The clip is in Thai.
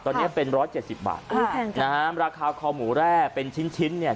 ตอนนี้เป็นร้อยเจ็ดสิบบาทค่ะนะฮะราคาคอหมูแร่เป็นชิ้นชิ้นเนี่ย